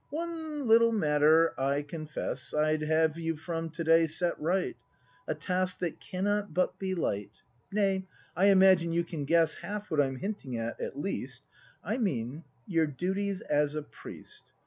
One little matter, I confess, I'd have you from to day set right; A task that cannot but be light. Nay, I imagine you can guess Half what I'm hinting at, at least ? I mean, your duties as a priest.